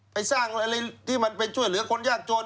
ไปสร้างอะไรที่มันไปช่วยเหลือคนยากจน